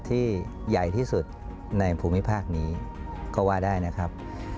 ที่ใหญ่ที่สุดในภูมิภาคนี้ก็ว่าได้นะครับ